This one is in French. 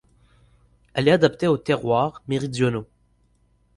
Elle est adaptée aux terroirs méridionaux.